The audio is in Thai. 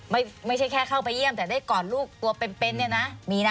ไม่ใช่แค่เข้าไปเยี่ยมแต่ได้กอดลูกตัวเป็นเนี่ยนะมีนะ